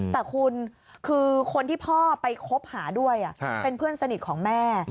แต่คุณคือคนที่พ่อไปคบหาด้วยเป็นเพื่อนสนิทของแม่